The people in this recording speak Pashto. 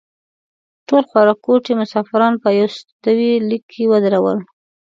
ټول خوارکوټي مسافران په یوستوي لیک کې ودرول.